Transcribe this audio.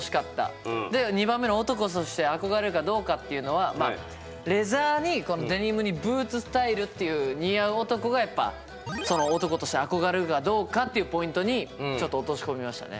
で２番目のレザーにデニムにブーツスタイルっていう似合う男がやっぱ男として憧れるかどうかっていうポイントにちょっと落とし込みましたね。